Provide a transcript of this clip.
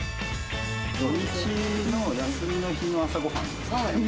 土日の休みの日の朝ごはんに。